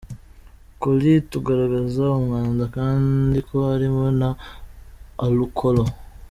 Coli” tugaragaza umwanda, kandi ko harimo na alukolo.